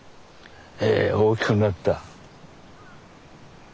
ええ大きくなった。